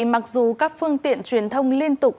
mặc dù các phương tiện truyền thông liên tục